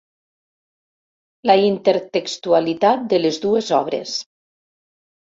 La intertextualitat de les dues obres.